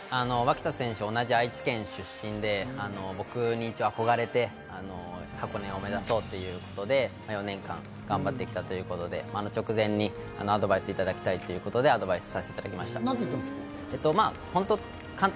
同じ愛知県出身で、僕に憧れて箱根を目指そうということで４年間、頑張ってきたということで、直前にアドバイスをいただきたいということで、アドバイスさせていただきました。